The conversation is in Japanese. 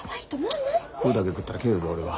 食うだけ食ったら帰るぞ俺は。